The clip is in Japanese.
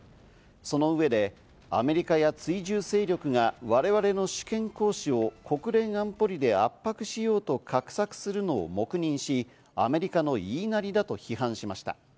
その上でアメリカや追従勢力が我々の主権行使を国連安保理で圧迫しようと画策するのを黙認し、アメリカの言いなりだと批判しました。